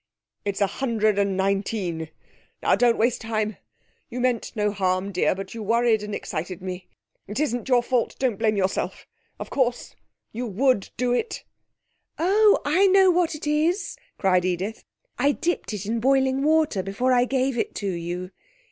'It's a hundred and nineteen. Now don't waste time. You meant no harm, dear, but you worried and excited me. It isn't your fault. Don't blame yourself. Of course, you would do it.' 'Oh, I know what it is,' cried Edith. 'I dipped it in boiling water before I gave it to you.'